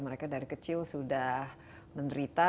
mereka dari kecil sudah menderita